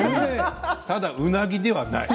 ただ、うなぎではない。